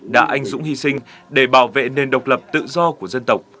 đã anh dũng hy sinh để bảo vệ nền độc lập tự do của dân tộc